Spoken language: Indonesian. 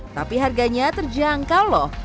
tapi harganya terjangkau loh